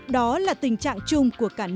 đó là tình trạng chung